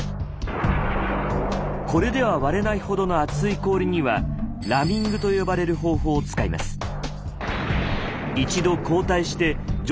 これでは割れないほどの厚い氷には「ラミング」と呼ばれる方法を使います。